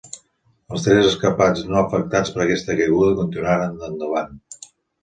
Els tres escapats no afectats per aquesta caiguda continuaren endavant.